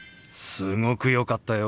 「すごく良かったよ」。